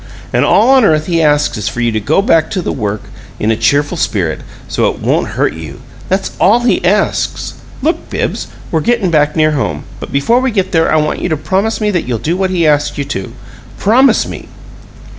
And all on earth he asks is for you to go back to the work in a cheerful spirit, so it won't hurt you! That's all he asks. Look, Bibbs, we're gettin' back near home, but before we get there I want you to promise me that you'll do what he asks you to. Promise me!"